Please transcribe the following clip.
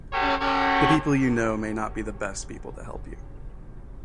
The people you know may not be the best people to help you.